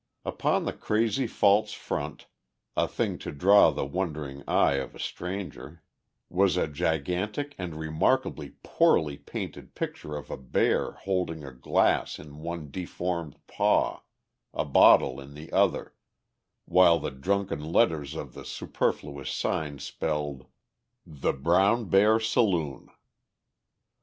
Upon the crazy false front, a thing to draw the wondering eye of a stranger, was a gigantic and remarkably poorly painted picture of a bear holding a glass in one deformed paw, a bottle in the other, while the drunken letters of the superfluous sign spelled: "The Brown Bear Saloon."